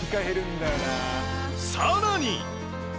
さらに！